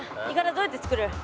どうやって作る？